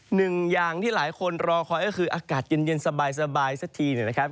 หนึ่งอย่างที่หลายคนรอคอยก็คืออากาศเย็นสบายสักทีเนี่ยนะครับ